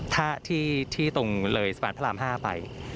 ถ้าที่ตรงเลยสะพานพระราม๕ไป